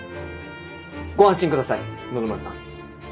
ご安心ください野々村さん。